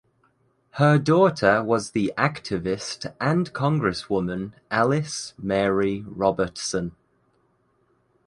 Her daughter was the activist and Congresswoman Alice Mary Robertson.